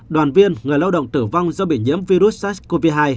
đoàn viên người lao động tử vong do bị nhiễm virus sars cov hai